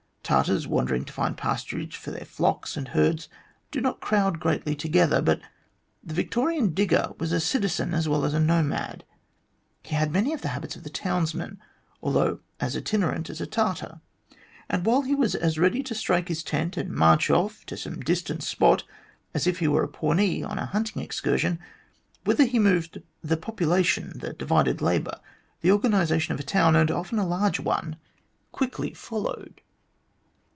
Tartars wandering to find pasturage for their flocks and herds do not crowd greatly together, but the Victorian digger was a citizen as well as a nomad. He had many of the habits of a townsman, although as itinerant as a Tartar ; and while he was as ready to strike his tent and march off to some distant spot as if he were a Pawnee on a hunting excursion, whither he moved, the population, the divided labour, the organisa tion of a town, and often a large one, quickly followed.